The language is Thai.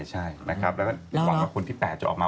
ใช่นะครับแล้วก็หวังว่าคนที่๘จะออกมา